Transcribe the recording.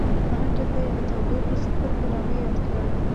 هغه ټکی یې د تودوخې صفر په نامه یاد کړ.